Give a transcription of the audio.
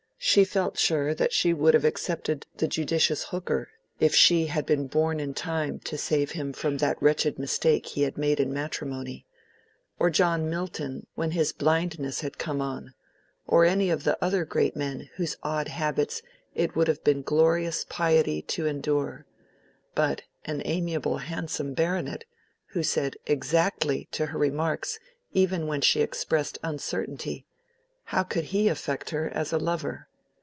She felt sure that she would have accepted the judicious Hooker, if she had been born in time to save him from that wretched mistake he made in matrimony; or John Milton when his blindness had come on; or any of the other great men whose odd habits it would have been glorious piety to endure; but an amiable handsome baronet, who said "Exactly" to her remarks even when she expressed uncertainty,—how could he affect her as a lover?